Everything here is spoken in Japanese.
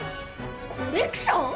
コレクション！？